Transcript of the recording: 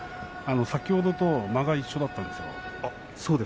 先ほどと間が一緒だったんですよ。